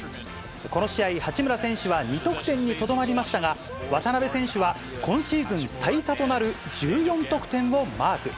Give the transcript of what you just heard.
この試合、八村選手は２得点にとどまりましたが、渡邊選手は今シーズン最多となる１４得点をマーク。